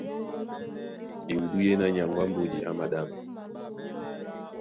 Ewudú yéná nyaŋgó á mbódi á māɗánɔ́,